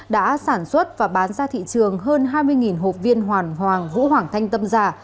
đã sản xuất và bán ra thị trường hơn hai mươi hộp viên hoàn hoàng vũ hoảng thanh tâm giả